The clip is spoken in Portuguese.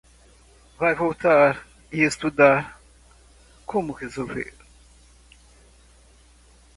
Vai voltar e estudar como resolver